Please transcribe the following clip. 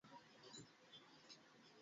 এই গ্রহের মানুষদের ভালোবাসি আমি।